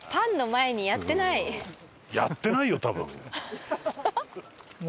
やってないよ多分。